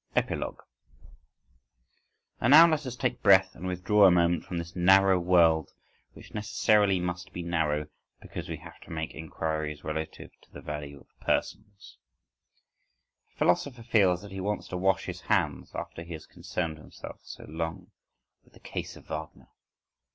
Epilogue And now let us take breath and withdraw a moment from this narrow world which necessarily must be narrow, because we have to make enquiries relative to the value of persons. A philosopher feels that he wants to wash his hands after he has concerned himself so long with the "Case of Wagner".